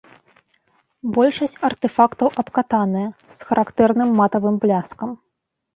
Большасць артэфактаў абкатаная, з характэрным матавым бляскам.